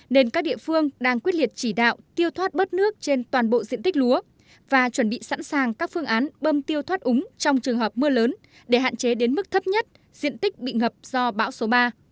nên các địa phương đang quyết liệt chỉ đạo tiêu thoát bớt nước trên toàn bộ diện tích lúa và chuẩn bị sẵn sàng các phương án bơm tiêu thoát úng trong trường hợp mưa lớn để hạn chế đến mức thấp nhất diện tích bị ngập do bão số ba